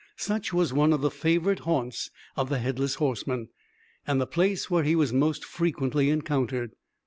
Such was one of the favorite haunts of the headless horseman, and the place where he was most frequently encountered.